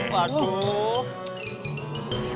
hah eh lah